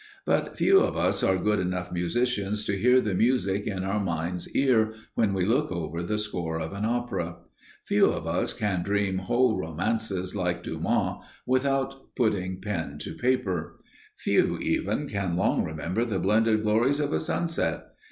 But few of us are good enough musicians to hear the music in our mind's ear when we look over the score of an opera; few of us can dream whole romances like Dumas, without putting pen to paper; few, even, can long remember the blended glories of a sunset.